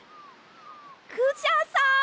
クシャさん